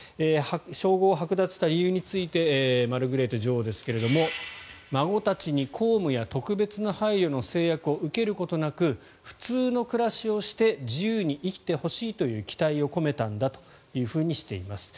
称号をはく奪した理由についてマルグレーテ女王ですが孫たちに公務や特別な配慮の制約を受けることなく普通の暮らしをして自由に生きてほしいという期待を込めたんだとしています。